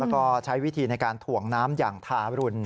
แล้วก็ใช้วิธีในการถ่วงน้ำอย่างทารุณ